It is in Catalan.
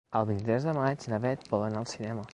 El vint-i-tres de maig na Bet vol anar al cinema.